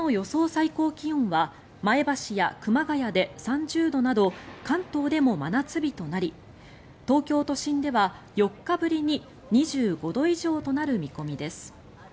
最高気温は前橋や熊谷で３０度など関東でも真夏日となり東京都心では４日ぶりに２５度以上となる見込みです。